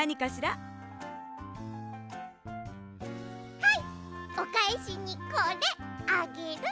はいおかえしにこれあげる。